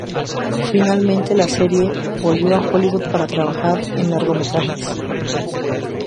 Finalizada la serie, volvió a Hollywood para trabajar en largometrajes.